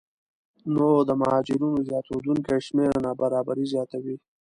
نو د مهاجرینو زیاتېدونکی شمېر نابرابري زیاتوي